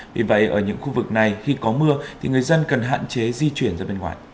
vì vậy ở những khu vực này khi có mưa thì người dân cần hạn chế di chuyển ra bên ngoài